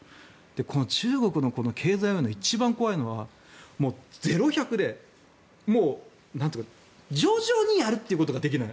この中国の経済面で一番怖いのはゼロ百で、徐々にやるということができない。